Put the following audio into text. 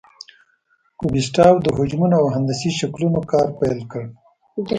کوبیسټاو د حجمونو او هندسي شکلونو کار پیل کړ.